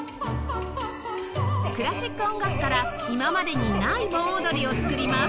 クラシック音楽から今までにない盆踊りを作ります